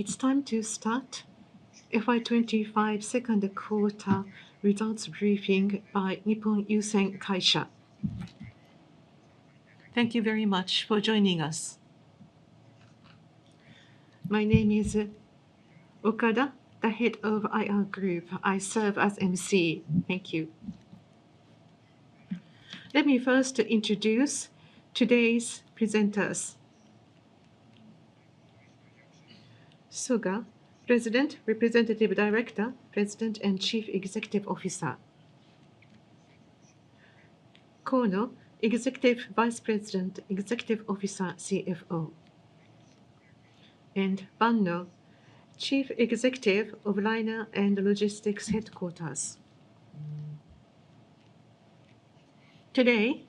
It's time to start FY2025 second quarter results briefing by Nippon Yusen Kabushiki Kaisha. Thank you very much for joining us. My name is Okada, the head of IR Group. I serve as MC. Thank you. Let me first introduce today's presenters. Soga, President, Representative Director, President and Chief Executive Officer. Kono, Executive Vice President, Executive Officer, CFO. And Banno, Chief Executive of Liner and Logistics Headquarters. Today,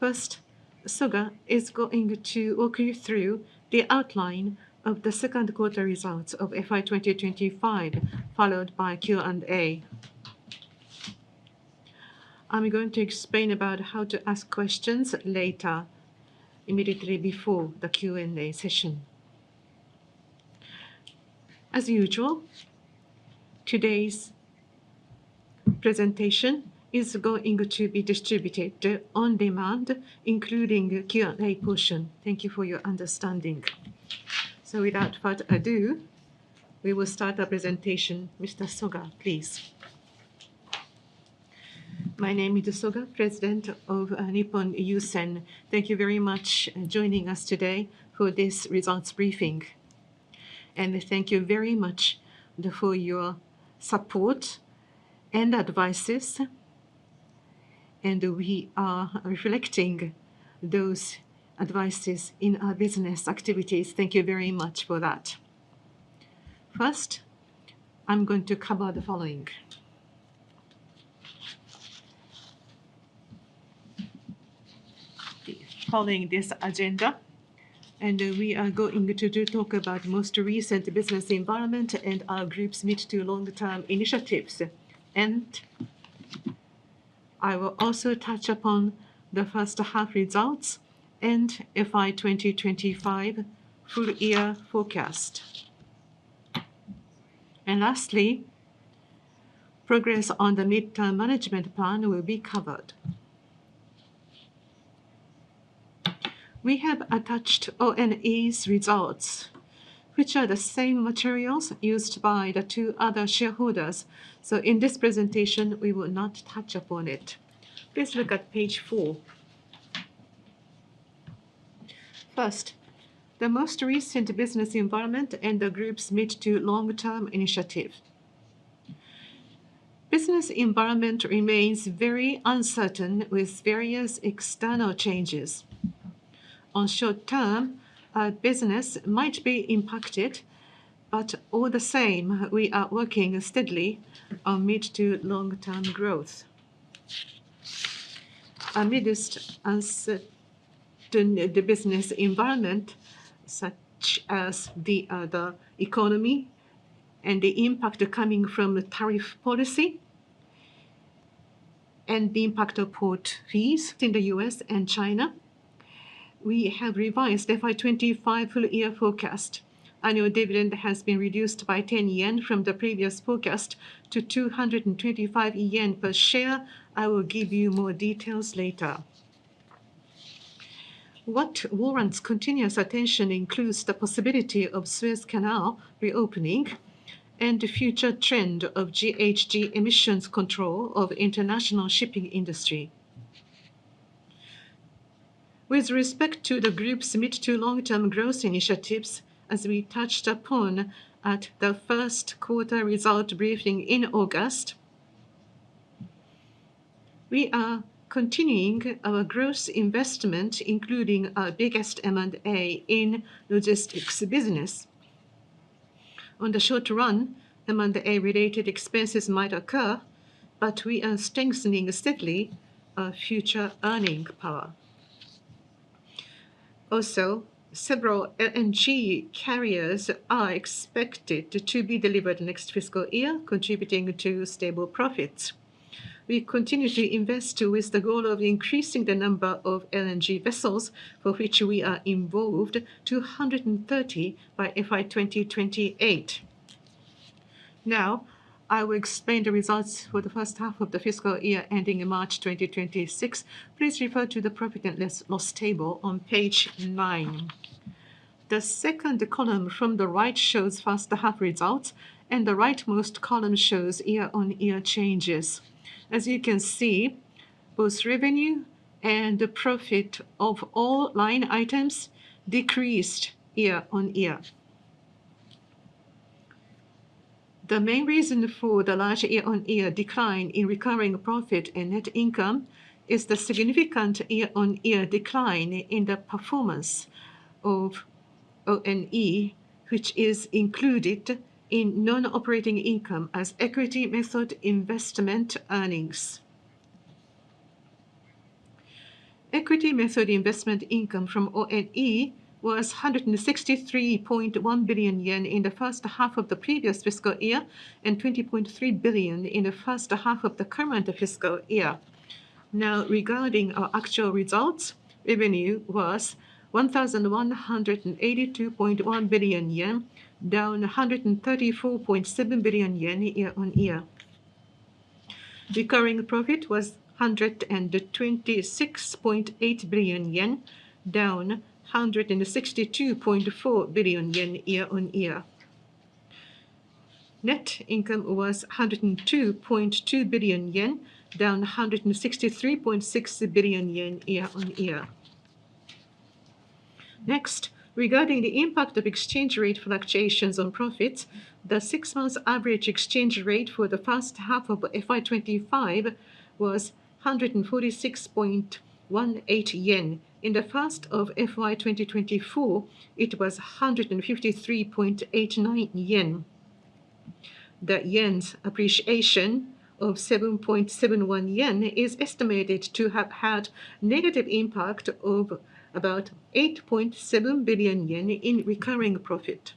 first, Soga is going to walk you through the outline of the second quarter results of FY2025, followed by Q&A. I'm going to explain about how to ask questions later, immediately before the Q&A session. As usual, today's presentation is going to be distributed on demand, including the Q&A portion. Thank you for your understanding. Without further ado, we will start our presentation. Mr. Soga, please. My name is Soga, President of Nippon Yusen. Thank you very much for joining us today for this results briefing. Thank you very much for your support and advices. We are reflecting those advices in our business activities. Thank you very much for that. First, I am going to cover the following: following this agenda, we are going to talk about the most recent business environment and our group's mid-to-long-term initiatives. I will also touch upon the first-half results and FY2025 full-year forecast. Lastly, progress on the mid-term management plan will be covered. We have attached ONE's results, which are the same materials used by the two other shareholders. In this presentation, we will not touch upon it. Please look at page four. First, the most recent business environment and the group's mid-to-long-term initiative. Business environment remains very uncertain with various external changes. On short term, our business might be impacted, but all the same, we are working steadily on mid-to-long-term growth. Amidst the business environment, such as the economy and the impact coming from the tariff policy and the impact of port fees in the U.S. and China, we have revised the FY2025 full-year forecast. Annual dividend has been reduced by 10 yen from the previous forecast to 225 yen per share. I will give you more details later. What warrants continuous attention includes the possibility of Suez Canal reopening and the future trend of GHG emissions control of the international shipping industry. With respect to the group's mid-to-long-term growth initiatives, as we touched upon at the first quarter result briefing in August, we are continuing our gross investment, including our biggest M&A in logistics business. On the short run, M&A-related expenses might occur, but we are strengthening steadily our future earning power. Also, several LNG carriers are expected to be delivered next fiscal year, contributing to stable profits. We continue to invest with the goal of increasing the number of LNG vessels for which we are involved to 130 by FY2028. Now, I will explain the results for the first half of the fiscal year ending in March 2026. Please refer to the profit and loss table on page nine. The second column from the right shows first-half results, and the rightmost column shows year-on-year changes. As you can see, both revenue and profit of all line items decreased year-on-year. The main reason for the large year-on-year decline in recurring profit and net income is the significant year-on-year decline in the performance of ONE, which is included in non-operating income as equity method investment earnings. Equity method investment income from ONE was 163.1 billion yen in the first half of the previous fiscal year and 20.3 billion in the first half of the current fiscal year. Now, regarding our actual results, revenue was 1,182.1 billion yen, down 134.7 billion yen year-on-year. Recurring profit was 126.8 billion yen, down 162.4 billion yen year-on-year. Net income was 102.2 billion yen, down JPY 163.6 billion year-on-year. Next, regarding the impact of exchange rate fluctuations on profits, the six-month average exchange rate for the first half of FY2025 was 146.18 yen. In the first half of FY2024, it was 153.89 yen. The Yen's appreciation of 7.71 yen is estimated to have had a negative impact of about 8.7 billion yen in recurring profit.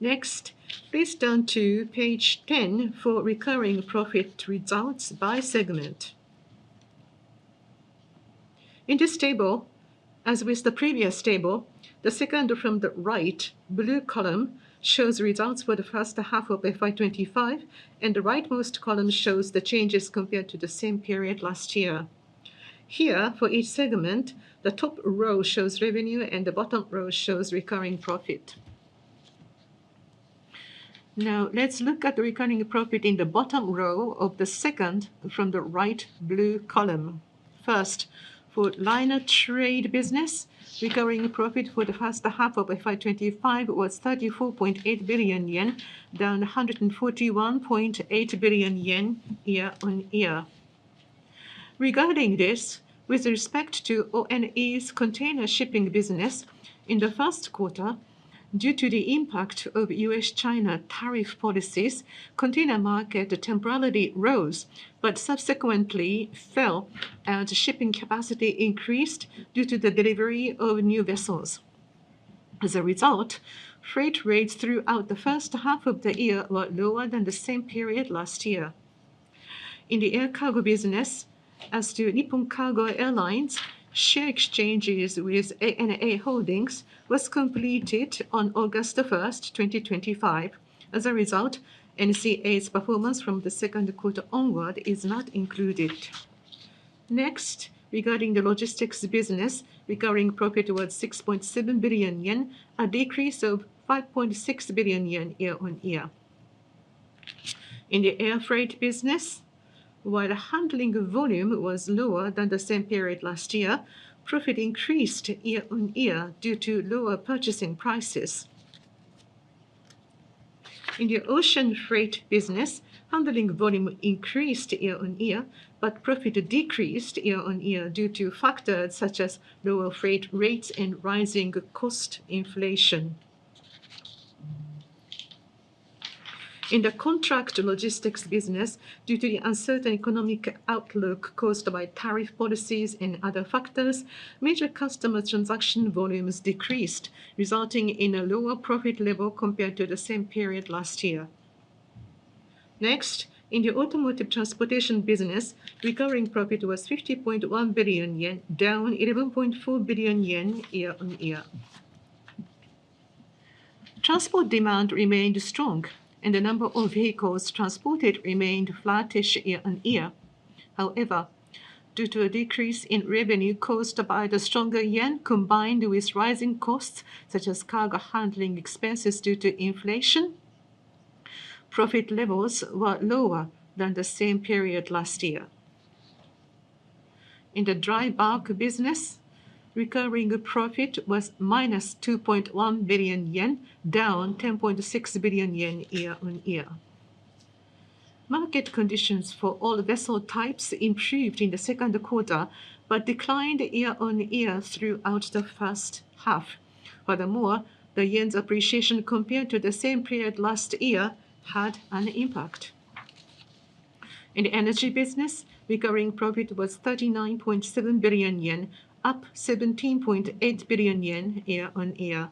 Next, please turn to page 10 for recurring profit results by segment. In this table, as with the previous table, the second from the right blue column shows results for the first half of FY2025, and the rightmost column shows the changes compared to the same period last year. Here, for each segment, the top row shows revenue, and the bottom row shows recurring profit. Now, let's look at the recurring profit in the bottom row of the second from the right blue column. First, for liner trade business, recurring profit for the first half of FY2025 was 34.8 billion yen, down 141.8 billion yen year-on-year. Regarding this, with respect to ONE's container shipping business, in the first quarter, due to the impact of U.S.-China tariff policies, the container market temporarily rose, but subsequently fell as shipping capacity increased due to the delivery of new vessels. As a result, freight rates throughout the first half of the year were lower than the same period last year. In the air cargo business, as to Nippon Cargo Airlines, share exchanges with ANA Holdings were completed on August 1st, 2025. As a result, NCA's performance from the second quarter onward is not included. Next, regarding the logistics business, recurring profit was 6.7 billion yen, a decrease of 5.6 billion yen year-on-year. In the air freight business, while handling volume was lower than the same period last year, profit increased year-on-year due to lower purchasing prices. In the ocean freight business, handling volume increased year-on-year, but profit decreased year-on-year due to factors such as lower freight rates and rising cost inflation. In the contract logistics business, due to the uncertain economic outlook caused by tariff policies and other factors, major customer transaction volumes decreased, resulting in a lower profit level compared to the same period last year. Next, in the automotive transportation business, recurring profit was 50.1 billion yen, down 11.4 billion yen year-on-year. Transport demand remained strong, and the number of vehicles transported remained flattish year-on-year. However, due to a decrease in revenue caused by the stronger Yen combined with rising costs such as cargo handling expenses due to inflation, profit levels were lower than the same period last year. In the dry bulk business, recurring profit was minus 2.1 billion yen, down 10.6 billion yen year-on-year. Market conditions for all vessel types improved in the second quarter, but declined year-on-year throughout the first half. Furthermore, the Yen's appreciation compared to the same period last year had an impact. In the energy business, recurring profit was 39.7 billion yen, up 17.8 billion yen year-on-year.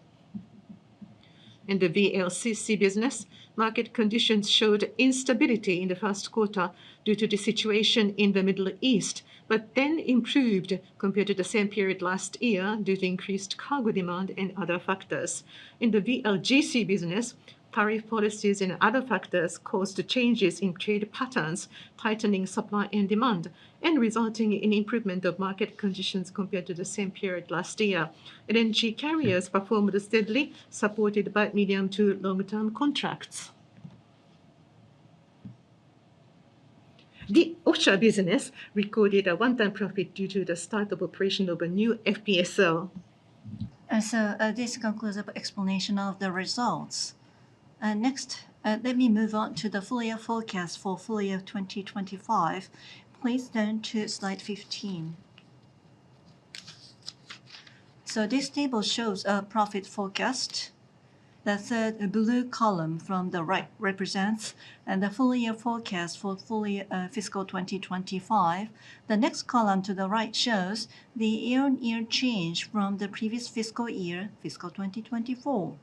In the VLCC business, market conditions showed instability in the first quarter due to the situation in the Middle East, but then improved compared to the same period last year due to increased cargo demand and other factors. In the VLGC business, tariff policies and other factors caused changes in trade patterns, tightening supply and demand, and resulting in improvement of market conditions compared to the same period last year. LNG carriers performed steadily, supported by medium to long-term contracts. The FPSO business recorded a one-time profit due to the start of operation of a new FPSO. This concludes the explanation of the results. Next, let me move on to the full-year forecast for full year 2025. Please turn to slide 15. This table shows a profit forecast. The third blue column from the right represents the full-year forecast for full year fiscal 2025. The next column to the right shows the year-on-year change from the previous fiscal year, fiscal 2024.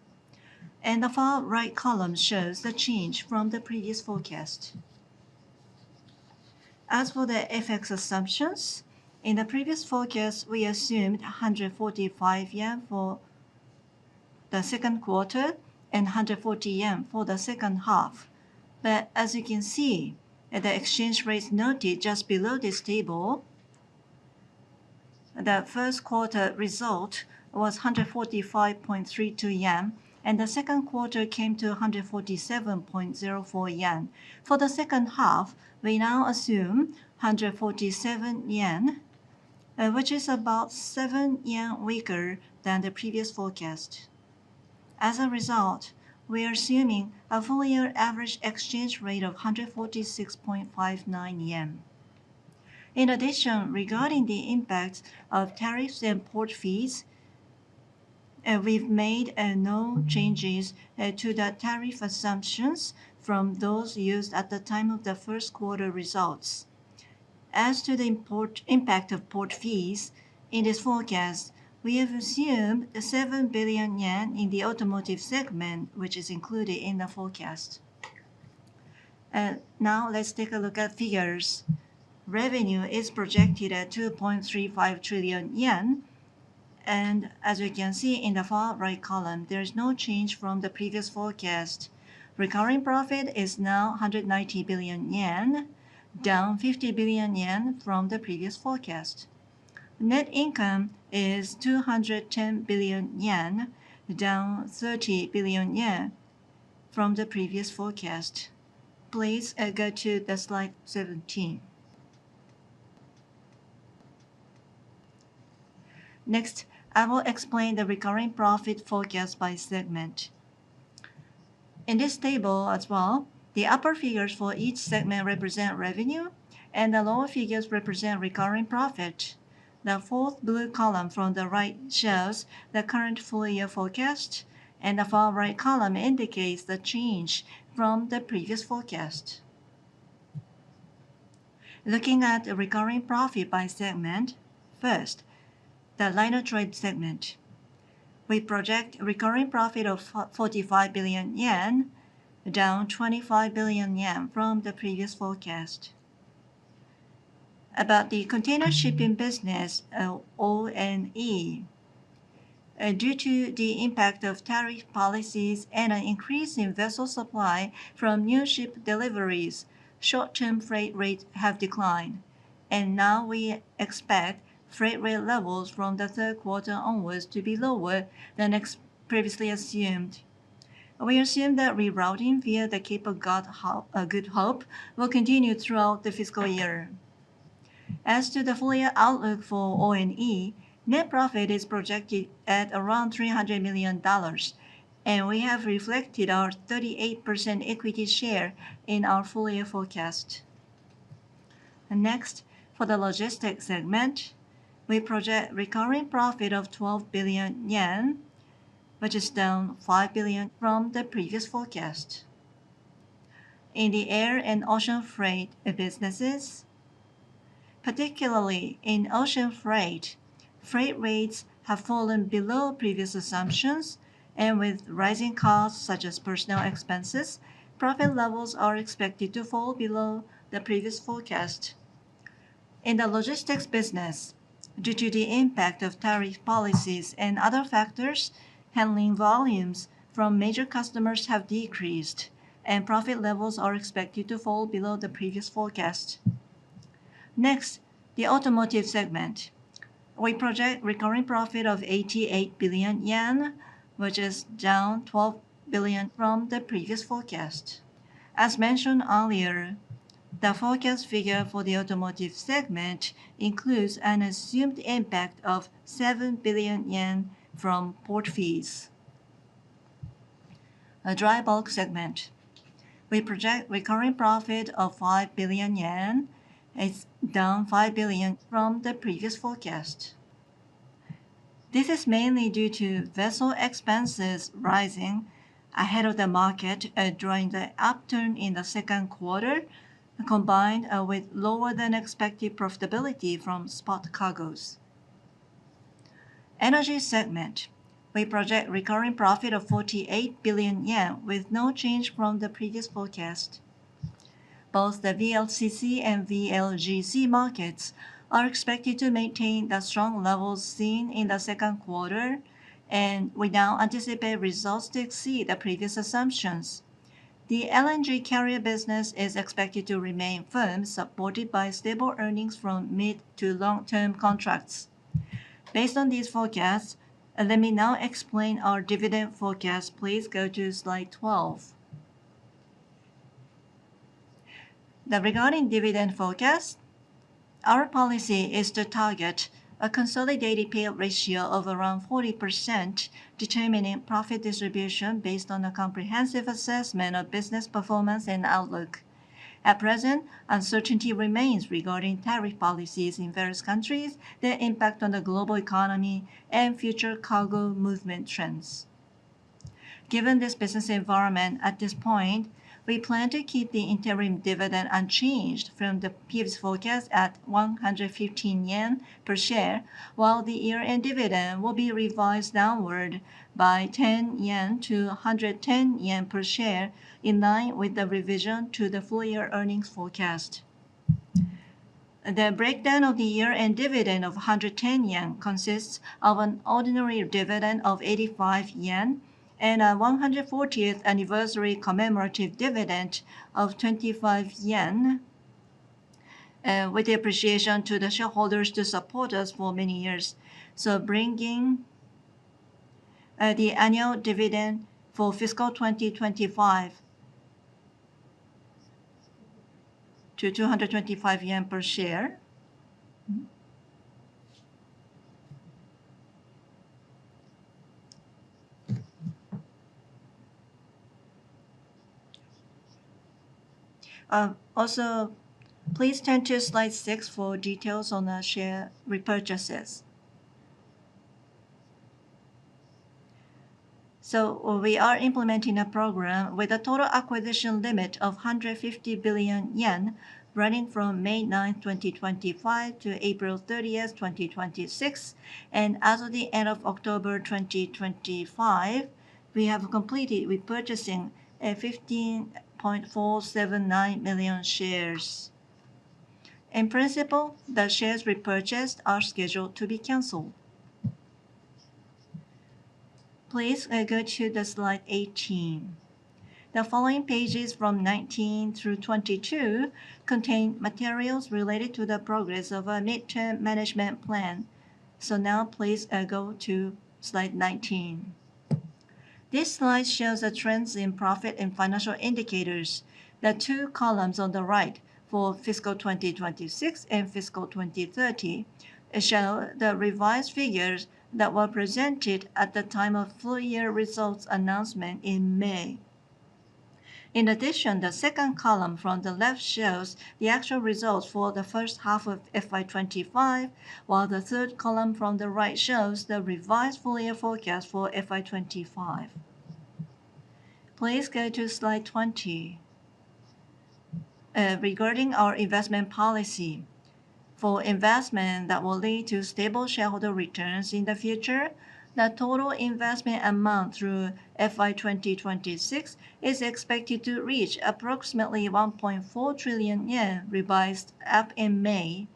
The far right column shows the change from the previous forecast. As for the FX assumptions, in the previous forecast, we assumed 145 yen for the second quarter and 140 yen for the second half. As you can see, the exchange rate noted just below this table, the first quarter result was 145.32 yen, and the second quarter came to 147.04 yen. For the second half, we now assume 147 yen, which is about 7 yen weaker than the previous forecast. As a result, we are assuming a full-year average exchange rate of 146.59 yen. In addition, regarding the impact of tariffs and port fees, we've made no changes to the tariff assumptions from those used at the time of the first quarter results. As to the impact of port fees, in this forecast, we have assumed 7 billion yen in the automotive segment, which is included in the forecast. Now, let's take a look at figures. Revenue is projected at 2.35 trillion yen. As you can see in the far right column, there is no change from the previous forecast. Recurring profit is now 190 billion yen, down 50 billion yen from the previous forecast. Net income is 210 billion yen, down 30 billion yen from the previous forecast. Please go to slide 17. Next, I will explain the recurring profit forecast by segment. In this table as well, the upper figures for each segment represent revenue, and the lower figures represent recurring profit. The fourth blue column from the right shows the current full-year forecast, and the far right column indicates the change from the previous forecast. Looking at recurring profit by segment, first, the liner trade segment. We project recurring profit of 45 billion yen, down 25 billion yen from the previous forecast. About the container shipping business, ONE. Due to the impact of tariff policies and an increase in vessel supply from new ship deliveries, short-term freight rates have declined. Now we expect freight rate levels from the third quarter onwards to be lower than previously assumed. We assume that rerouting via the Cape of Good Hope will continue throughout the fiscal year. As to the full-year outlook for ONE, net profit is projected at around $300 million, and we have reflected our 38% equity share in our full-year forecast. Next, for the logistics segment, we project recurring profit of 12 billion yen, which is down 5 billion from the previous forecast. In the air and ocean freight businesses, particularly in ocean freight, freight rates have fallen below previous assumptions, and with rising costs such as personnel expenses, profit levels are expected to fall below the previous forecast. In the logistics business, due to the impact of tariff policies and other factors, handling volumes from major customers have decreased, and profit levels are expected to fall below the previous forecast. Next, the automotive segment. We project recurring profit of 88 billion yen, which is down 12 billion from the previous forecast. As mentioned earlier, the forecast figure for the automotive segment includes an assumed impact of 7 billion yen from port fees. Dry bulk segment. We project recurring profit of 5 billion yen, down 5 billion from the previous forecast. This is mainly due to vessel expenses rising ahead of the market during the upturn in the second quarter, combined with lower than expected profitability from spot cargoes. Energy segment. We project recurring profit of 48 billion yen with no change from the previous forecast. Both the VLCC and VLGC markets are expected to maintain the strong levels seen in the second quarter, and we now anticipate results to exceed the previous assumptions. The LNG carrier business is expected to remain firm, supported by stable earnings from mid to long-term contracts. Based on these forecasts, let me now explain our dividend forecast. Please go to slide 12. Regarding dividend forecast, our policy is to target a consolidated pay ratio of around 40%, determining profit distribution based on a comprehensive assessment of business performance and outlook. At present, uncertainty remains regarding tariff policies in various countries, their impact on the global economy, and future cargo movement trends. Given this business environment at this point, we plan to keep the interim dividend unchanged from the previous forecast at 115 yen per share, while the year-end dividend will be revised downward by 10 yen to 110 yen per share, in line with the revision to the full-year earnings forecast. The breakdown of the year-end dividend of 110 yen consists of an ordinary dividend of 85 yen and a 140th anniversary commemorative dividend of 25 yen, with the appreciation to the shareholders to support us for many years. This brings the annual dividend for fiscal 2025 to JPY 225 per share. Also, please turn to slide six for details on the share repurchases. We are implementing a program with a total acquisition limit of 150 billion yen, running from May 9th, 2025, to April 30th, 2026. As of the end of October 2025, we have completed repurchasing 15.479 million shares. In principle, the shares repurchased are scheduled to be canceled. Please go to slide 18. The following pages from 19 through 22 contain materials related to the progress of a midterm management plan. Please go to slide 19. This slide shows the trends in profit and financial indicators. The two columns on the right for fiscal 2026 and fiscal 2030 show the revised figures that were presented at the time of full-year results announcement in May. In addition, the second column from the left shows the actual results for the first half of FY2025, while the third column from the right shows the revised full-year forecast for FY2025. Please go to slide 20. Regarding our investment policy, for investment that will lead to stable shareholder returns in the future, the total investment amount through FY2026 is expected to reach approximately 1.4 trillion yen, revised up in May.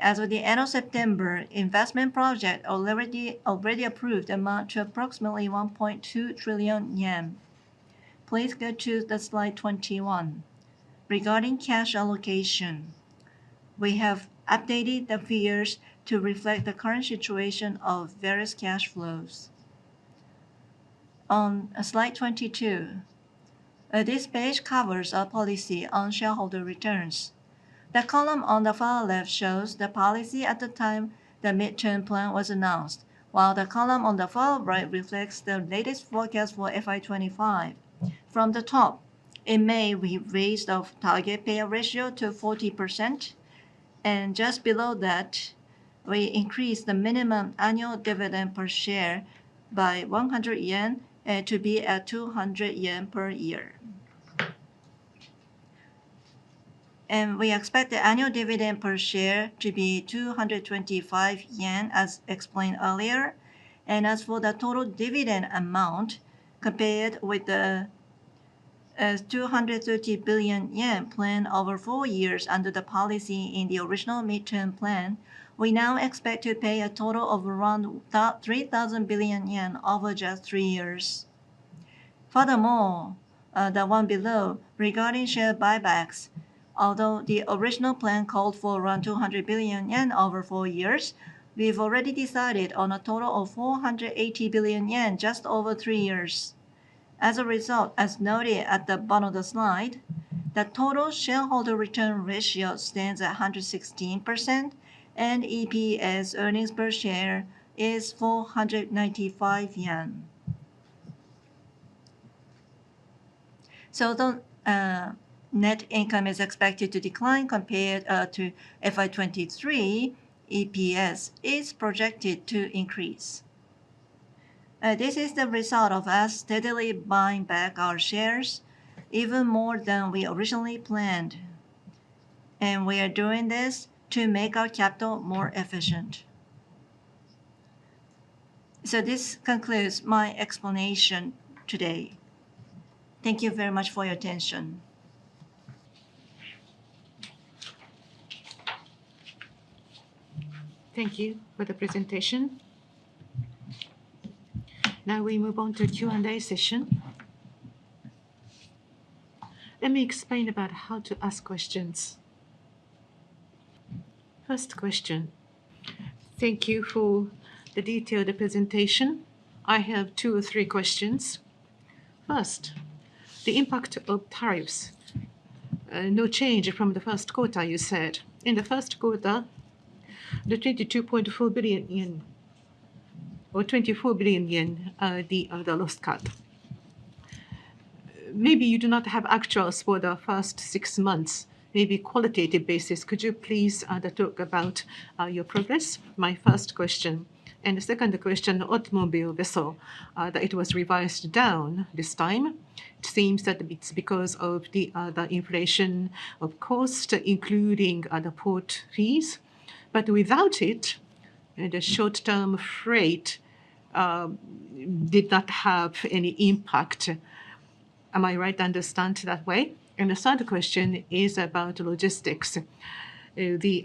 As of the end of September, investment projects already approved amount to approximately 1.2 trillion yen. Please go to slide 21. Regarding cash allocation, we have updated the figures to reflect the current situation of various cash flows. On slide 22, this page covers our policy on shareholder returns. The column on the far left shows the policy at the time the midterm plan was announced, while the column on the far right reflects the latest forecast for FY2025. From the top, in May, we raised our target pay ratio to 40%. Just below that, we increased the minimum annual dividend per share by 100 yen to be at 200 yen per year. We expect the annual dividend per share to be 225 yen, as explained earlier. As for the total dividend amount, compared with the 230 billion yen plan over four years under the policy in the original midterm plan, we now expect to pay a total of around 3,000 billion yen over just three years. Furthermore, the one below, regarding share buybacks, although the original plan called for around 200 billion yen over four years, we've already decided on a total of 480 billion yen just over three years. As a result, as noted at the bottom of the slide, the total shareholder return ratio stands at 116%, and EPS is JPY 495. So, the net income is expected to decline compared to FY2023. EPS is projected to increase. This is the result of us steadily buying back our shares, even more than we originally planned. We are doing this to make our capital more efficient. This concludes my explanation today. Thank you very much for your attention. Thank you for the presentation. Now, we move on to the Q&A session. Let me explain about how to ask questions. First question. Thank you for the detailed presentation. I have two or three questions. First, the impact of tariffs. No change from the first quarter, you said. In the first quarter, the 22.4 billion yen or 24 billion yen are the lost cut. Maybe you do not have actuals for the first six months. Maybe qualitative basis. Could you please talk about your progress? My first question. The second question, the automobile vessel, that it was revised down this time. It seems that it is because of the inflation of cost, including the port fees. Without it, the short-term freight did not have any impact. Am I right to understand that way? The third question is about logistics. The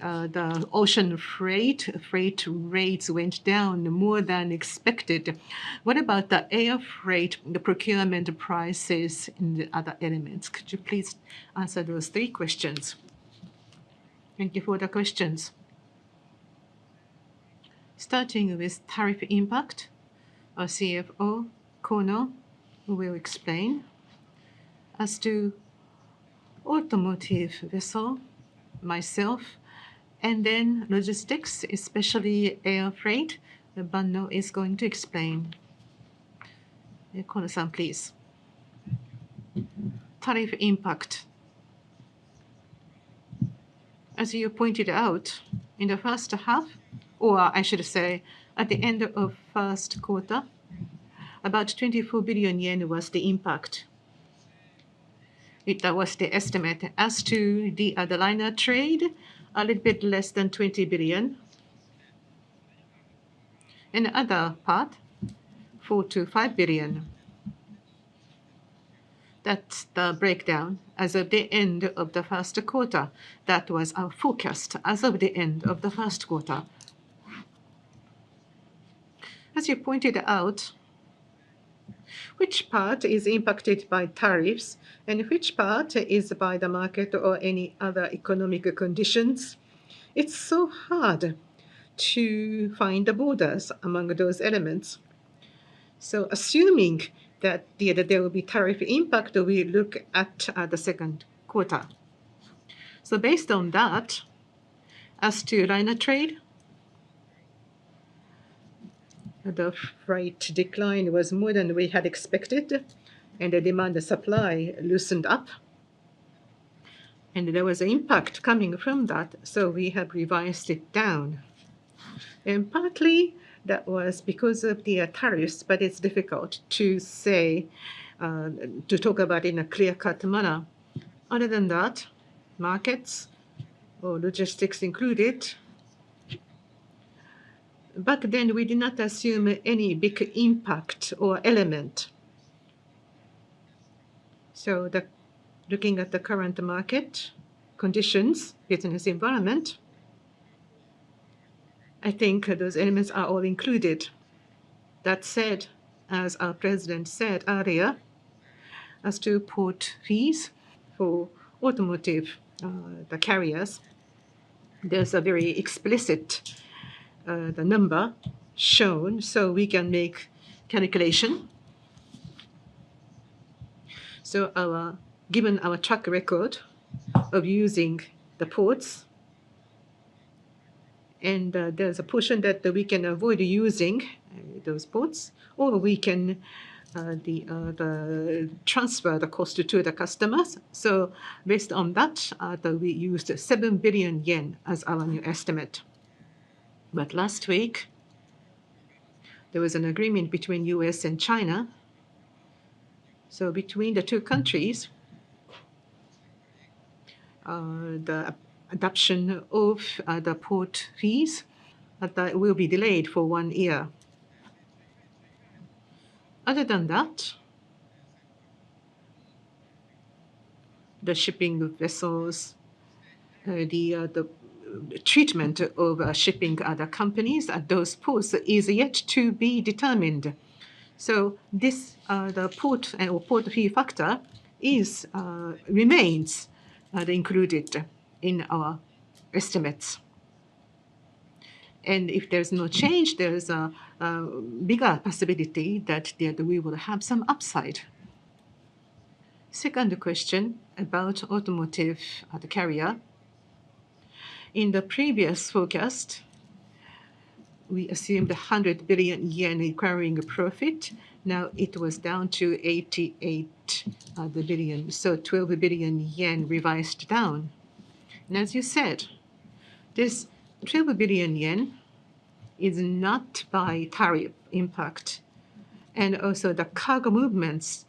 ocean freight rates went down more than expected. What about the air freight, the procurement prices, and the other elements? Could you please answer those three questions? Thank you for the questions. Starting with tariff impact, our CFO, Kono, will explain. As to automotive vessel, myself, and then logistics, especially air freight, the banner is going to explain. Kono-san, please. Tariff impact. As you pointed out, in the first half, or I should say at the end of first quarter, about 24 billion yen was the impact. That was the estimate. As to the other liner trade, a little bit less than 20 billion. And the other part, 4 billion-5 billion. That is the breakdown as of the end of the first quarter. That was our forecast as of the end of the first quarter. As you pointed out, which part is impacted by tariffs and which part is by the market or any other economic conditions? It is so hard to find the borders among those elements. Assuming that there will be tariff impact, we look at the second quarter. Based on that, as to liner trade, the freight decline was more than we had expected, and the demand and supply loosened up. There was an impact coming from that, so we have revised it down. Partly, that was because of the tariffs, but it is difficult to say, to talk about in a clear-cut manner. Other than that, markets or logistics included. Back then, we did not assume any big impact or element. Looking at the current market conditions, business environment, I think those elements are all included. That said, as our President said earlier, as to port fees for automotive, the carriers, there is a very explicit number shown so we can make calculation. Given our track record of using the ports, and there is a portion that we can avoid using those ports, or we can transfer the cost to the customers. Based on that, we used 7 billion yen as our new estimate. Last week, there was an agreement between the U.S. and China. Between the two countries, the adoption of the port fees will be delayed for one year. Other than that, the shipping vessels, the treatment of shipping other companies at those ports is yet to be determined. This port or port fee factor remains included in our estimates. If there's no change, there's a bigger possibility that we will have some upside. Second question about automotive carrier. In the previous forecast, we assumed 100 billion yen acquiring a profit. Now, it was down to 88 billion. So, 12 billion yen revised down. As you said, this 12 billion yen is not by tariff impact. Also, the cargo movements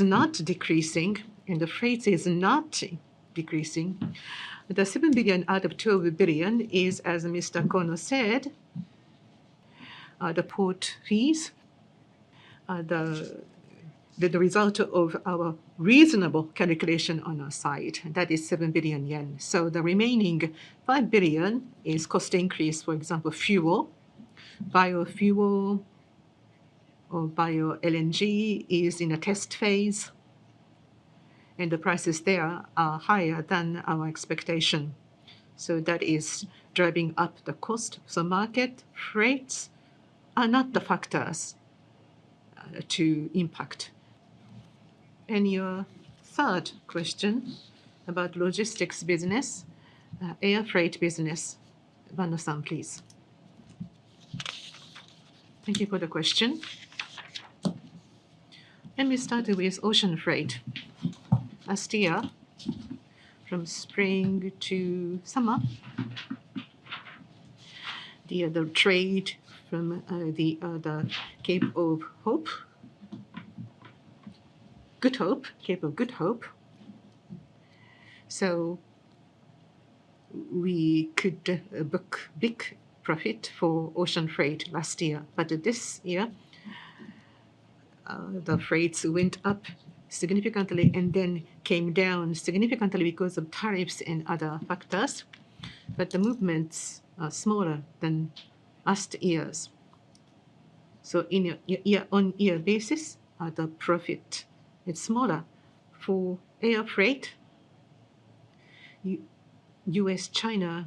are not decreasing, and the freight is not decreasing. The 7 billion out of 12 billion is, as Mr. Kono said, the port fees, the result of our reasonable calculation on our side. That is 7 billion yen. The remaining 5 billion is cost increase, for example, fuel, biofuel or bio-LNG is in a test phase. The prices there are higher than our expectation. That is driving up the cost. Market freights are not the factors to impact. Your third question about logistics business, air freight business, Vanosan, please. Thank you for the question. Let me start with ocean freight. Last year, from spring to summer, the other trade from the other Cape of Good Hope. We could book big profit for ocean freight last year. This year, the freights went up significantly and then came down significantly because of tariffs and other factors. The movements are smaller than last year's. On a year-on-year basis, the profit is smaller. For air freight, U.S.-China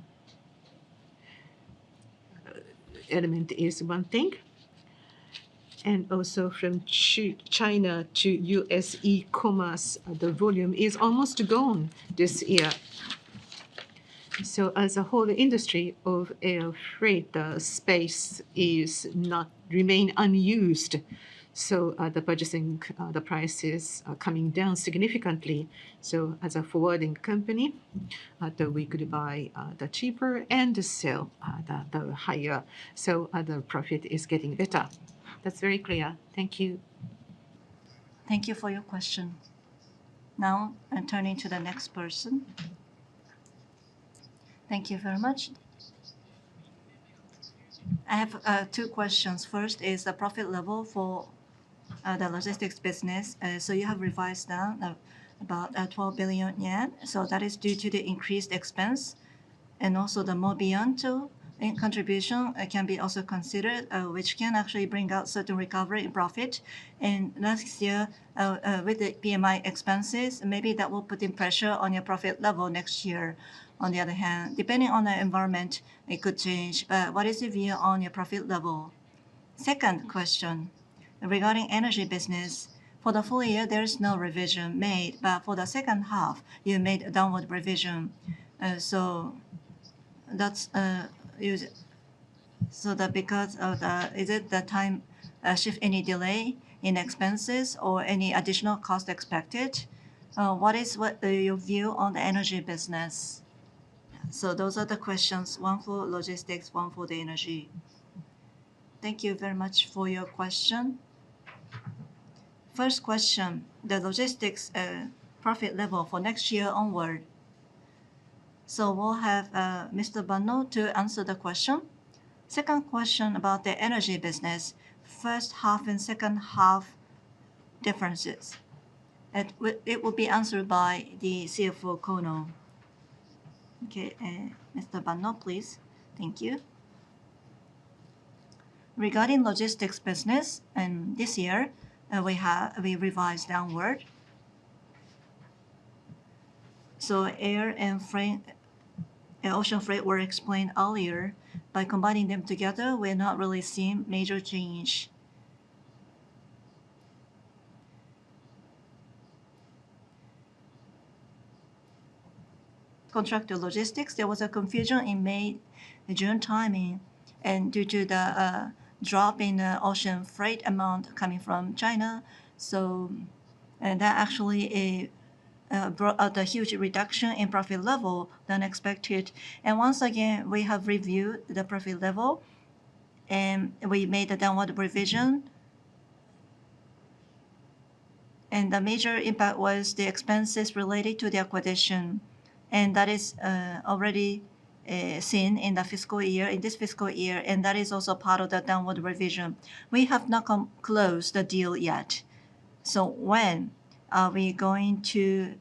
element is one thing. Also, from China to U.S. e-commerce, the volume is almost gone this year. As a whole, the industry of air freight space remains unused. The purchasing prices are coming down significantly. As a forwarding company, we could buy the cheaper and sell the higher. The profit is getting better. That is very clear. Thank you. Thank you for your question. Now, I am turning to the next person. Thank you very much. I have two questions. First is the profit level for the logistics business. You have revised down about 12 billion yen. That is due to the increased expense. Also, the Mobianto contribution can be also considered, which can actually bring out certain recovery profit. Last year, with the PMI expenses, maybe that will put pressure on your profit level next year. On the other hand, depending on the environment, it could change. What is your view on your profit level? Second question regarding energy business. For the full year, there is no revision made. For the second half, you made a downward revision. That is because of the, is it the time shift? Any delay in expenses or any additional cost expected? What is your view on the energy business? Those are the questions, one for logistics, one for the energy Thank you very much for your question. First question, the logistics profit level for next year onward. We will have Mr. Banno answer the question. Second question about the energy business, first half and second half differences. It will be answered by the CFO, Kono. Okay. Mr. Banner, please. Thank you. Regarding logistics business, and this year, we revised downward. Air and ocean freight were explained earlier. By combining them together, we're not really seeing major change. Contract to logistics, there was a confusion in May, June timing. Due to the drop in the ocean freight amount coming from China, that actually brought out a huge reduction in profit level than expected. Once again, we have reviewed the profit level, and we made a downward revision. The major impact was the expenses related to the acquisition. That is already seen in this fiscal year. That is also part of the downward revision. We have not closed the deal yet. When are we going to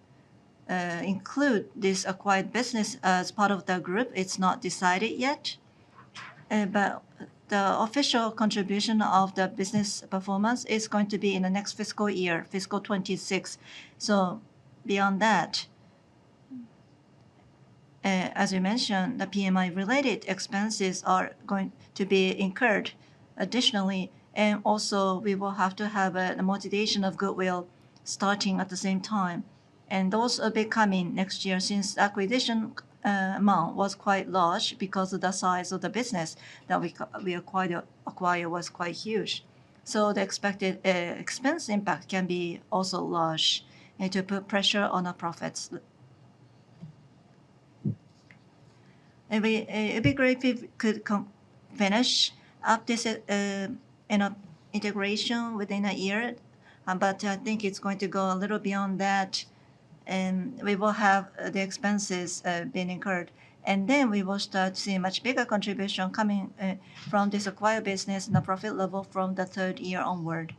include this acquired business as part of the group? It's not decided yet. The official contribution of the business performance is going to be in the next fiscal year, fiscal 2026. Beyond that, as we mentioned, the PMI-related expenses are going to be incurred additionally. Also, we will have to have the amortization of goodwill starting at the same time. Those are becoming next year since the acquisition amount was quite large because the size of the business that we acquired was quite huge. The expected expense impact can also be large to put pressure on our profits. It would be great if we could finish up this integration within a year. I think it is going to go a little beyond that. We will have the expenses being incurred, and then we will start to see a much bigger contribution coming from this acquired business and the profit level from the third year onward.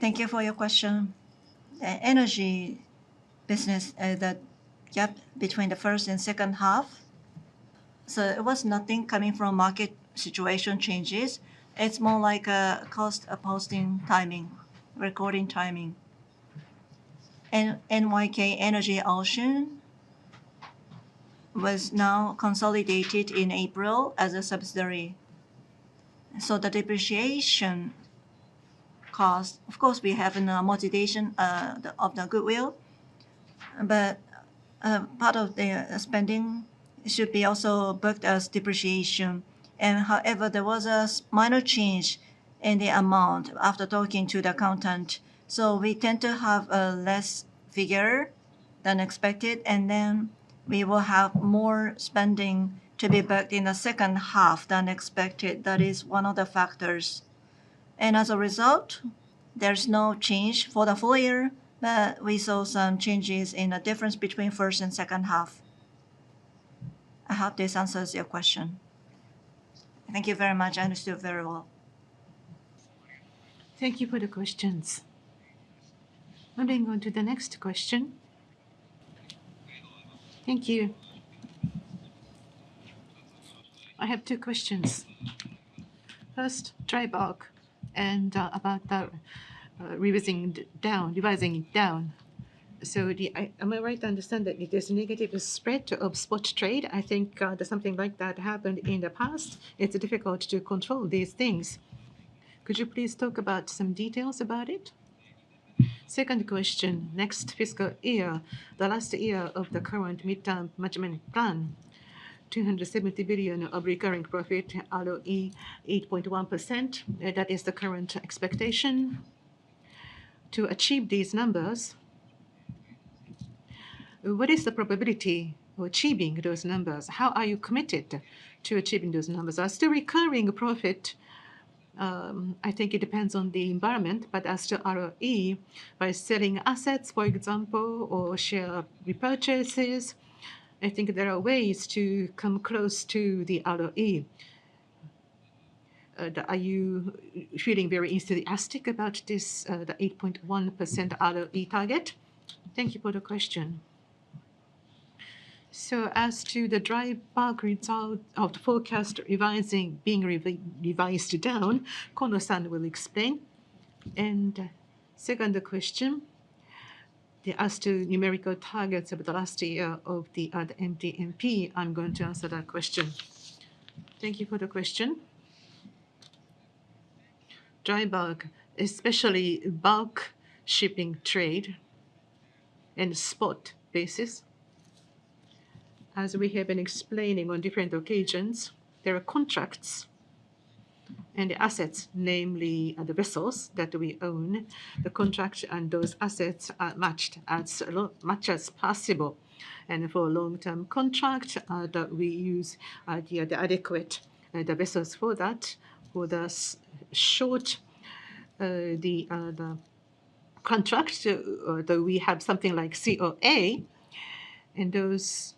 Thank you for your question. Energy business, the gap between the first and second half. It was nothing coming from market situation changes. It is more like a cost posting timing, recording timing. NYK Energy Ocean was now consolidated in April as a subsidiary. The depreciation cost, of course, we have a motivation of the goodwill. Part of the spending should be also booked as depreciation. However, there was a minor change in the amount after talking to the accountant. We tend to have a less figure than expected. We will have more spending to be booked in the second half than expected. That is one of the factors. As a result, there is no change for the full year. We saw some changes in the difference between first and second half. I hope this answers your question. Thank you very much. I understood very well. Thank you for the questions. I'm going to go to the next question. Thank you. I have two questions. First, dry bulk and about the revising down, revising down. Am I right to understand that it is a negative spread of spot trade? I think there's something like that happened in the past. It's difficult to control these things. Could you please talk about some details about it? Second question, next fiscal year, the last year of the current mid-term management plan, 270 billion of recurring profit, ROE 8.1%. That is the current expectation. To achieve these numbers, what is the probability of achieving those numbers? How are you committed to achieving those numbers? Are still recurring profit? I think it depends on the environment, but as to ROE, by selling assets, for example, or share repurchases, I think there are ways to come close to the ROE. Are you feeling very enthusiastic about this, the 8.1% ROE target? Thank you for the question. As to the dry bulk result of the forecast being revised down, Kono-san will explain. The second question, as to numerical targets of the last year of the MDMP, I am going to answer that question. Thank you for the question. Dry bulk, especially bulk shipping trade and spot basis. As we have been explaining on different occasions, there are contracts and assets, namely the vessels that we own. The contract and those assets are matched as much as possible. For long-term contract, we use the adequate vessels for that. For the short contract, we have something like COA. In those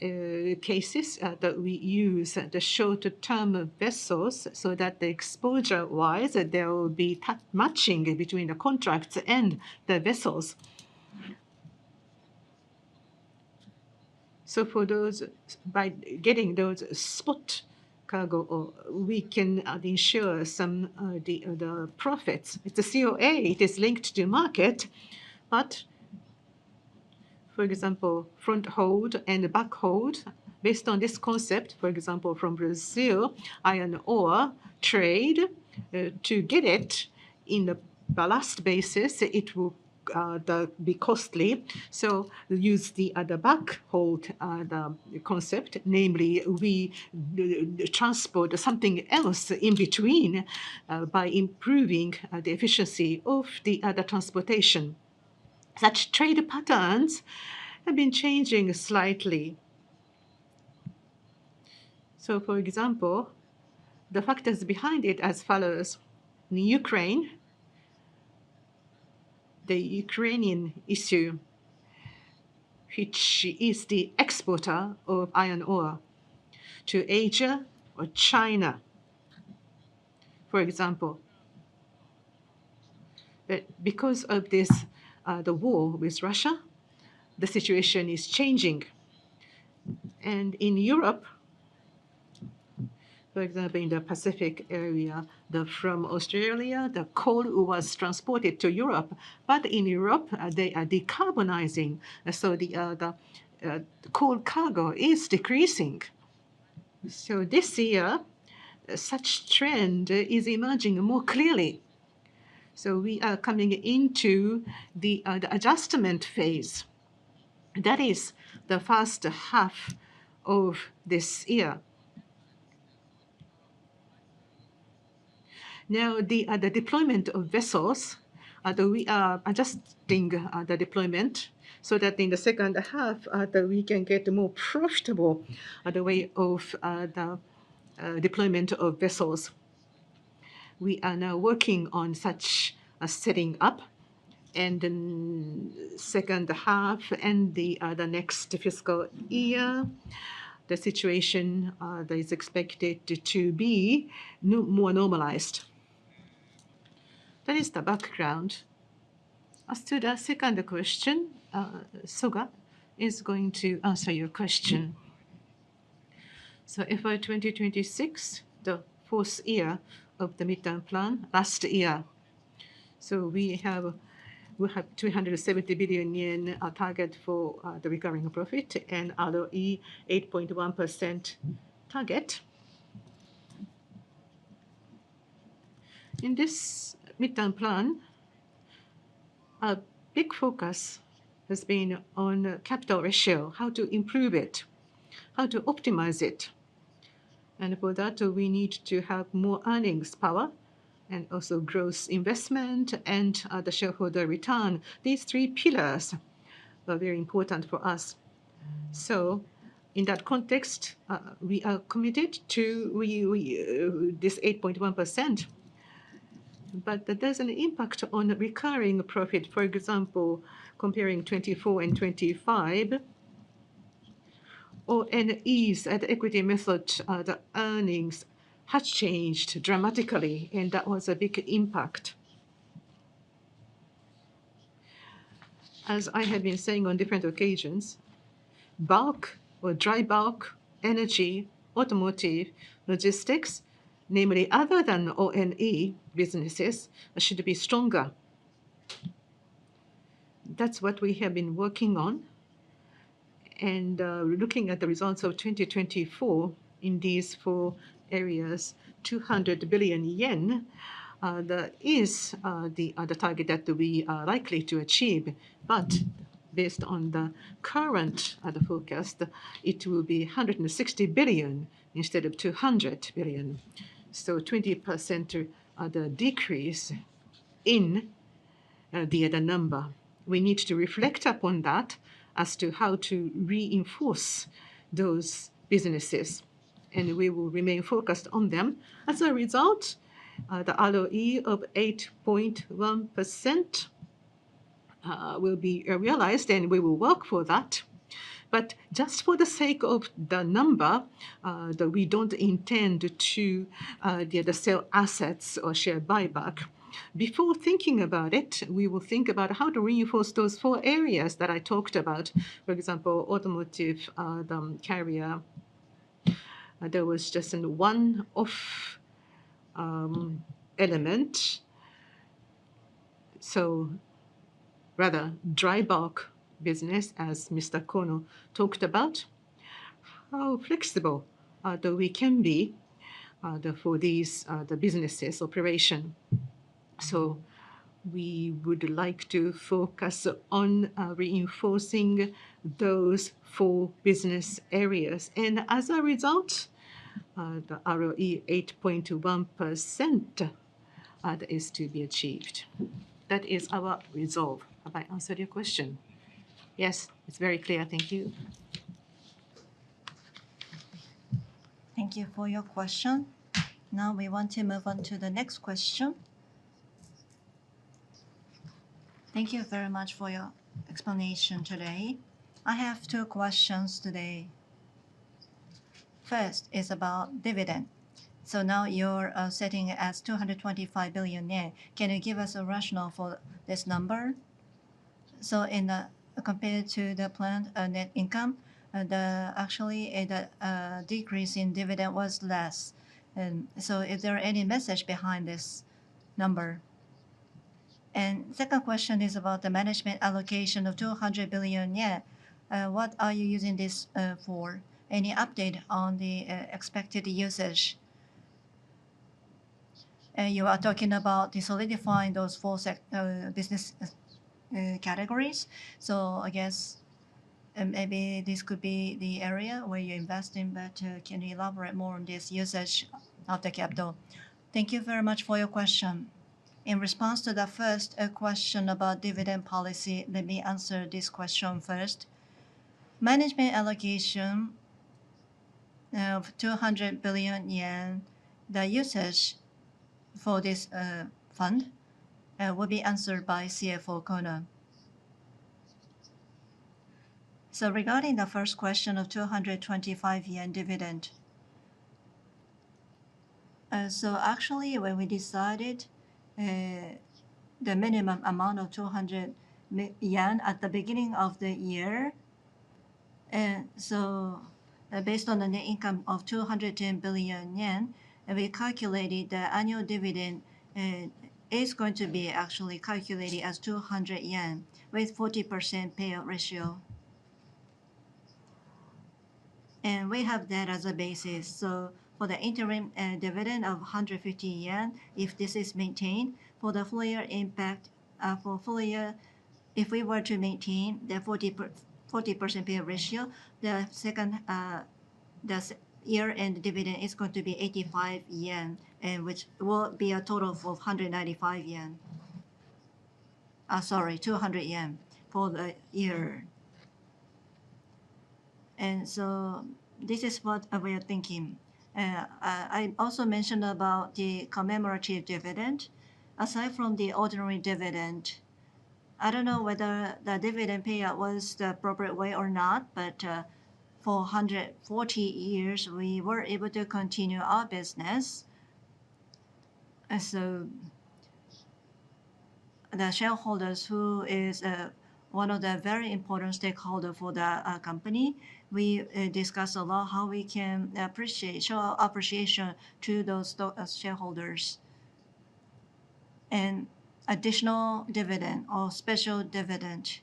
cases, we use the short-term vessels so that the exposure-wise, there will be matching between the contracts and the vessels. For those, by getting those spot cargo, we can ensure some of the profits. It's a COA. It is linked to market. For example, front hold and back hold, based on this concept, for example, from Brazil, iron ore trade, to get it in the ballast basis, it will be costly. We use the other back hold concept, namely we transport something else in between by improving the efficiency of the other transportation. Such trade patterns have been changing slightly. For example, the factors behind it as follows: in Ukraine, the Ukrainian issue, which is the exporter of iron ore to Asia or China, for example. Because of this, the war with Russia, the situation is changing. In Europe, for example, in the Pacific area, from Australia, the coal was transported to Europe. In Europe, they are decarbonizing. The coal cargo is decreasing. This year, such trend is emerging more clearly. We are coming into the adjustment phase. That is the first half of this year. Now, the deployment of vessels, we are adjusting the deployment so that in the second half, we can get more profitable the way of the deployment of vessels. We are now working on such setting up. The second half and the next fiscal year, the situation that is expected to be more normalized. That is the background. As to the second question, Soga is going to answer your question. FY 2026, the fourth year of the mid-term plan, last year. We have 270 billion yen target for the recurring profit and ROE 8.1% target. In this mid-term plan, a big focus has been on capital ratio, how to improve it, how to optimize it. For that, we need to have more earnings power and also gross investment and the shareholder return. These three pillars are very important for us. In that context, we are committed to this 8.1%. There is an impact on recurring profit, for example, comparing 2024 and 2025. Or ONE's, at equity method, the earnings have changed dramatically. That was a big impact. As I have been saying on different occasions, bulk or dry bulk energy, automotive, logistics, namely other than ONE businesses, should be stronger. That is what we have been working on. Looking at the results of 2024 in these four areas, 200 billion yen, that is the target that we are likely to achieve. Based on the current forecast, it will be 160 billion instead of 200 billion. 20% of the decrease in the other number. We need to reflect upon that as to how to reinforce those businesses. We will remain focused on them. As a result, the ROE of 8.1% will be realized, and we will work for that. Just for the sake of the number, we do not intend to sell assets or share buyback. Before thinking about it, we will think about how to reinforce those four areas that I talked about, for example, automotive carrier. There was just one off element. Rather, dry bulk business, as Mr. Kono talked about, how flexible we can be for these businesses' operation. We would like to focus on reinforcing those four business areas. As a result, the ROE 8.1% is to be achieved. That is our resolve. Have I answered your question? Yes, it's very clear. Thank you. Thank you for your question. Now, we want to move on to the next question. Thank you very much for your explanation today. I have two questions today. First is about dividend. Now you're setting it as 225 billion yen. Can you give us a rationale for this number? In compared to the planned net income, actually, the decrease in dividend was less. Is there any message behind this number? Second question is about the management allocation of 200 billion yen. What are you using this for? Any update on the expected usage? You are talking about solidifying those four business categories. I guess maybe this could be the area where you invest in. Can you elaborate more on this usage of the capital? Thank you very much for your question. In response to the first question about dividend policy, let me answer this question first. Management allocation of 200 billion yen, the usage for this fund will be answered by CFO Kono. Regarding the first question of 225 yen dividend, actually, when we decided the minimum amount of 200 yen at the beginning of the year, based on the net income of 210 billion yen, we calculated the annual dividend is going to be actually calculated as 200 yen with 40% payout ratio. We have that as a basis. For the interim dividend of 150 yen, if this is maintained, for the full year impact, for full year, if we were to maintain the 40% payout ratio, the second year-end dividend is going to be 85 yen, which will be a total of 195 yen. Sorry, 200 yen for the year. This is what we are thinking. I also mentioned about the commemorative dividend. Aside from the ordinary dividend, I do not know whether the dividend payout was the appropriate way or not, but for 140 years, we were able to continue our business. The shareholders, who is one of the very important stakeholders for the company, we discussed a lot how we can show appreciation to those shareholders. Additional dividend or special dividend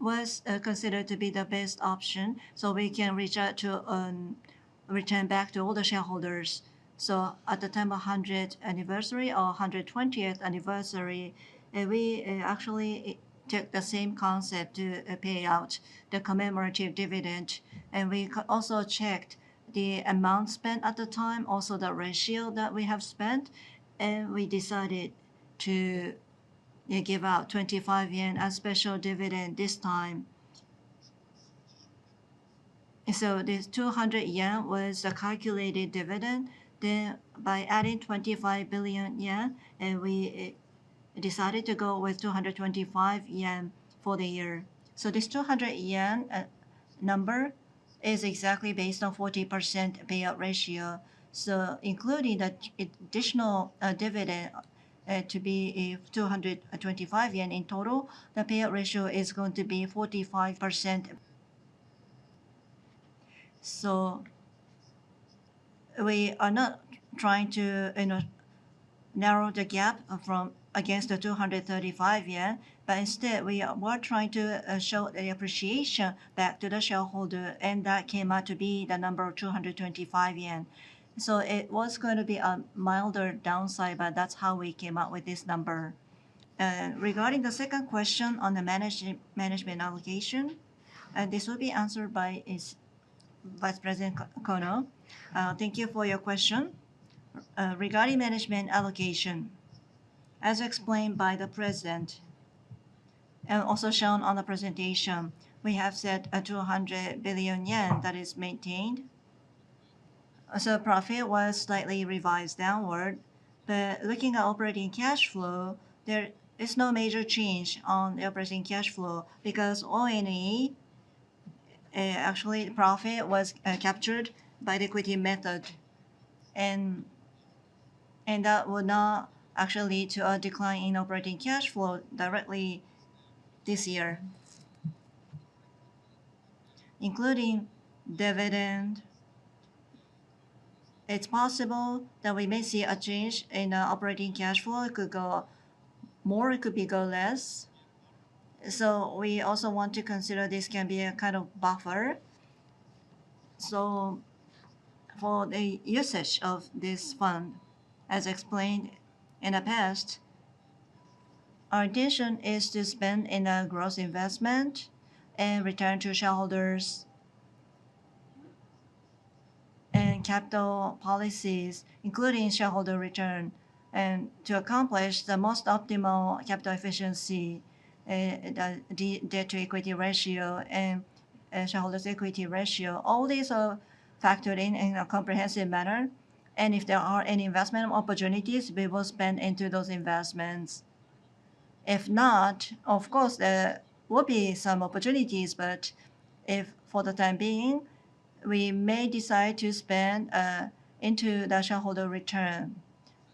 was considered to be the best option so we can return back to all the shareholders. At the time of 100th anniversary or 120th anniversary, we actually took the same concept to pay out the commemorative dividend. We also checked the amount spent at the time, also the ratio that we have spent. We decided to give out 25 yen as special dividend this time. This 200 yen was the calculated dividend. By adding 25 billion yen, we decided to go with 225 yen for the year. This 200 yen number is exactly based on 40% payout ratio. Including the additional dividend to be 225 yen in total, the payout ratio is going to be 45%. We are not trying to narrow the gap against the 235 yen, but instead, we were trying to show the appreciation back to the shareholder. That came out to be the number of 225 yen. It was going to be a milder downside, but that's how we came out with this number. Regarding the second question on the management allocation, this will be answered by Vice President Kono. Thank you for your question. Regarding management allocation, as explained by the President and also shown on the presentation, we have set a 200 billion yen that is maintained. Profit was slightly revised downward. Looking at operating cash flow, there is no major change on the operating cash flow because ONE, actually, profit was captured by the equity method. That will not actually lead to a decline in operating cash flow directly this year. Including dividend, it is possible that we may see a change in operating cash flow. It could go more, it could go less. We also want to consider this can be a kind of buffer. For the usage of this fund, as explained in the past, our intention is to spend in a gross investment and return to shareholders and capital policies, including shareholder return, and to accomplish the most optimal capital efficiency, debt to equity ratio, and shareholders' equity ratio. All these are factored in in a comprehensive manner. If there are any investment opportunities, we will spend into those investments. If not, of course, there will be some opportunities. If for the time being, we may decide to spend into the shareholder return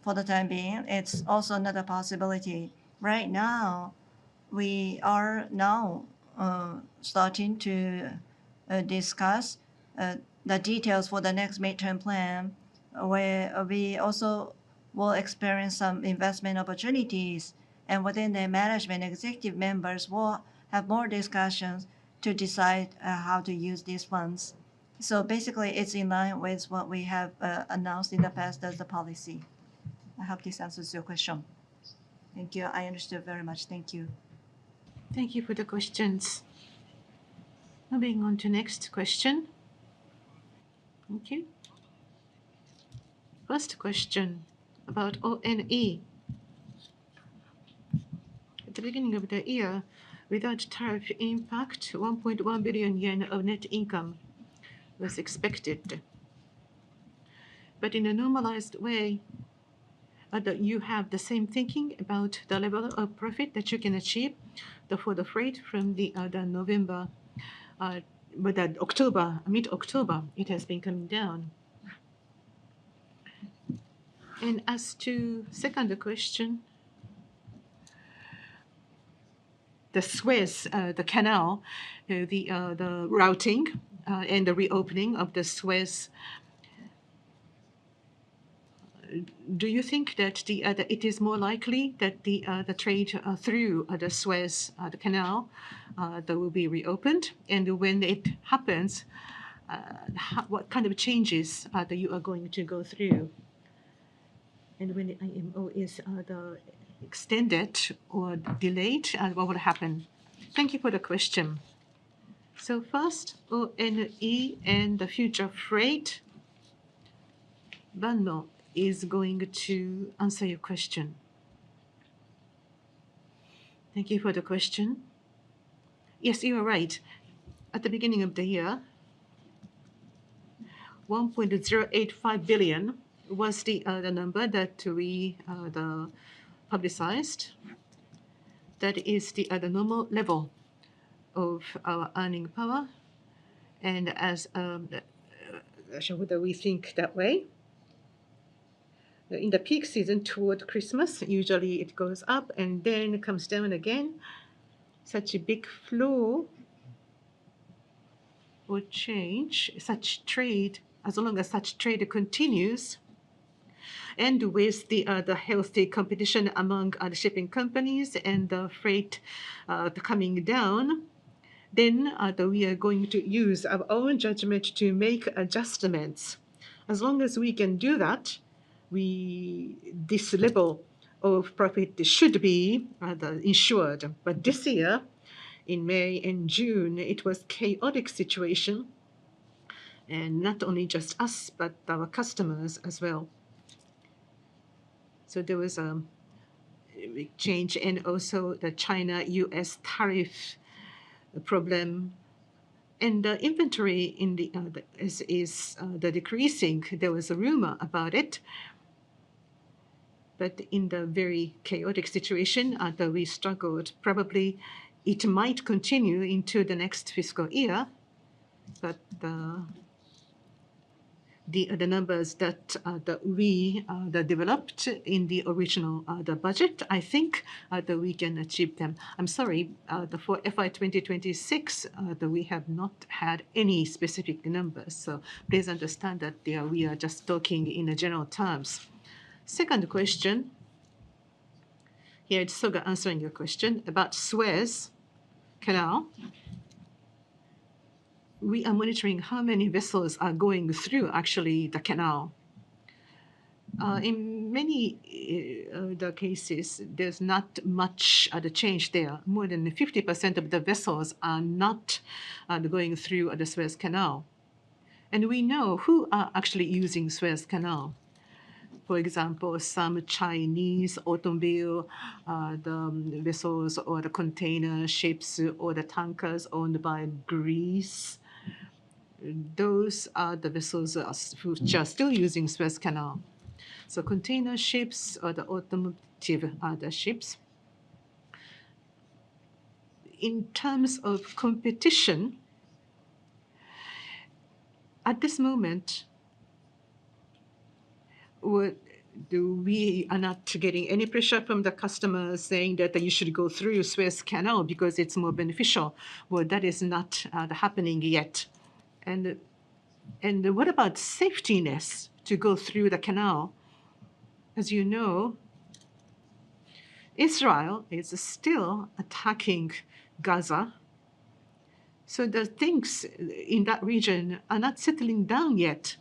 for the time being, it is also another possibility. Right now, we are now starting to discuss the details for the next mid-term plan, where we also will experience some investment opportunities. Within the management, executive members will have more discussions to decide how to use these funds. Basically, it's in line with what we have announced in the past as the policy. I hope this answers your question. Thank you. I understood very much. Thank you. Thank you for the questions. Moving on to next question. Thank you. First question about ONE. At the beginning of the year, without tariff impact, 1.1 billion yen of net income was expected. In a normalized way, you have the same thinking about the level of profit that you can achieve for the freight from the other November, but that October, mid-October, it has been coming down. As to second question, the Suez, the canal, the routing and the reopening of the Suez, do you think that it is more likely that the trade through the Suez, the canal, that will be reopened? When it happens, what kind of changes are you going to go through? When the IMO is extended or delayed, what will happen Thank you for the question. First, ONE and the future freight, Banno is going to answer your question. Thank you for the question. Yes, you are right. At the beginning of the year, 1.085 billion was the other number that we publicized. That is the other normal level of our earning power. As we think that way, in the peak season toward Christmas, usually it goes up and then comes down again. Such a big flow would change, such trade, as long as such trade continues. With the healthy competition among other shipping companies and the freight coming down, we are going to use our own judgment to make adjustments. As long as we can do that, this level of profit should be ensured. This year, in May and June, it was a chaotic situation. Not only just us, but our customers as well. There was a change in also the China-U.S. tariff problem. The inventory in the is decreasing. There was a rumor about it. In the very chaotic situation, we struggled. Probably it might continue into the next fiscal year. The numbers that we developed in the original budget, I think that we can achieve them. I'm sorry, for FY2026, we have not had any specific numbers. Please understand that we are just talking in general terms. Second question. Here, it's Soga answering your question about Suez Canal. We are monitoring how many vessels are going through, actually, the canal. In many of the cases, there's not much of the change there. More than 50% of the vessels are not going through the Suez Canal. We know who are actually using Suez Canal. For example, some Chinese automobile, the vessels or the container ships or the tankers owned by Greece. Those are the vessels which are still using Suez Canal. Container ships or the automotive ships. In terms of competition, at this moment, we are not getting any pressure from the customers saying that you should go through Suez Canal because it is more beneficial. That is not happening yet. What about safetyness to go through the canal? As you know, Israel is still attacking Gaza. The things in that region are not settling down yet.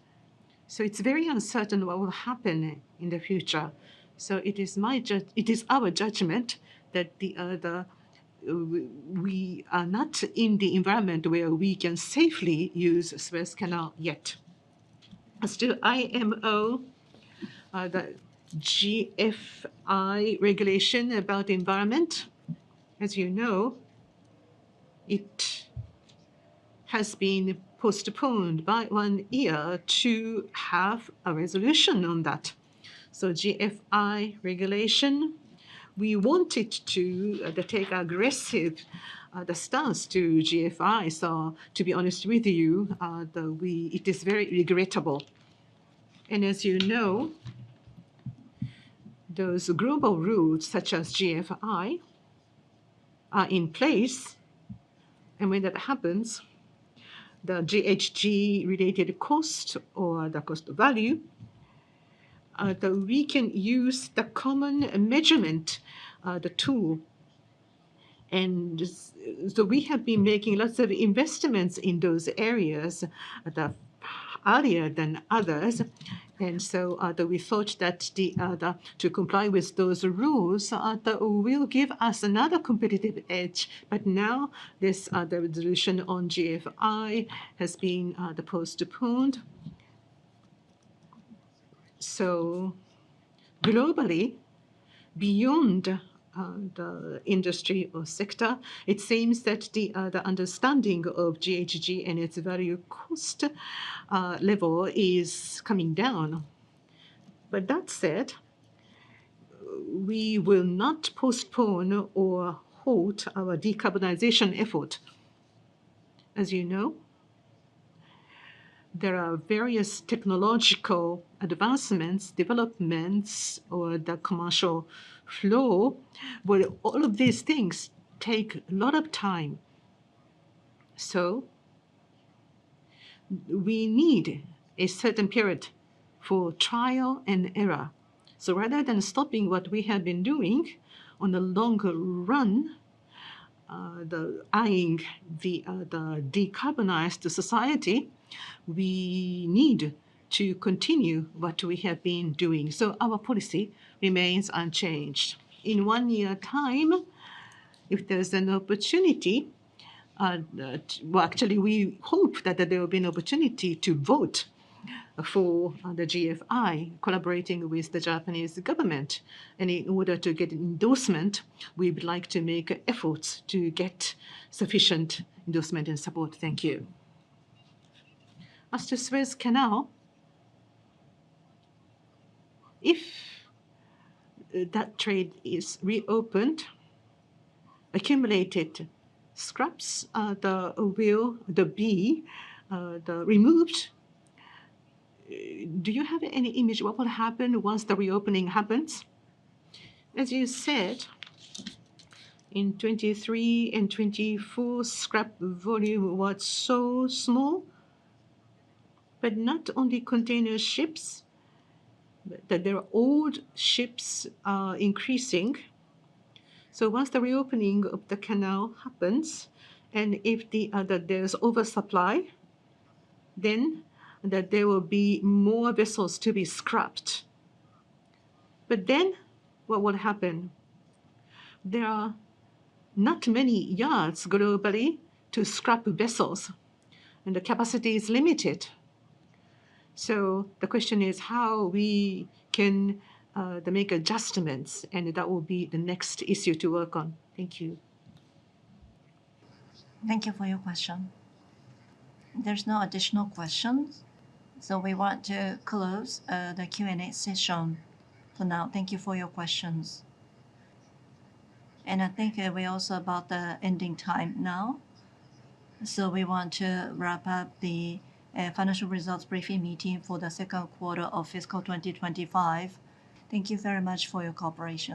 It is very uncertain what will happen in the future. It is our judgment that we are not in the environment where we can safely use Suez Canal yet. As to IMO, the GFI regulation about the environment, as you know, it has been postponed by one year to have a resolution on that. GFI regulation, we wanted to take aggressive stance to GFI. To be honest with you, it is very regrettable. As you know, those global rules such as GFI are in place. When that happens, the GHG-related cost or the cost of value, we can use the common measurement, the tool. We have been making lots of investments in those areas earlier than others. We thought that to comply with those rules will give us another competitive edge. Now, this resolution on GFI has been postponed. Globally, beyond the industry or sector, it seems that the understanding of GHG and its value cost level is coming down. That said, we will not postpone or halt our decarbonization effort. As you know, there are various technological advancements, developments, or the commercial flow where all of these things take a lot of time. We need a certain period for trial and error. Rather than stopping what we have been doing in the longer run, eyeing the decarbonized society, we need to continue what we have been doing. Our policy remains unchanged. In one year's time, if there is an opportunity, actually, we hope that there will be an opportunity to vote for the GFI collaborating with the Japanese government. In order to get endorsement, we would like to make efforts to get sufficient endorsement and support. Thank you. As to Suez Canal, if that trade is reopened, accumulated scraps will be removed. Do you have any image of what will happen once the reopening happens? As you said, in 2023 and 2024, scrap volume was so small. Not only container ships, but there are old ships increasing. Once the reopening of the canal happens, and if there's oversupply, then there will be more vessels to be scrapped. What will happen? There are not many yards globally to scrap vessels, and the capacity is limited. The question is how we can make adjustments, and that will be the next issue to work on. Thank you. Thank you for your question. There are no additional questions. We want to close the Q&A session for now. Thank you for your questions. I think we're also about the ending time now. We want to wrap up the financial results briefing meeting for the second quarter of fiscal 2025. Thank you very much for your cooperation.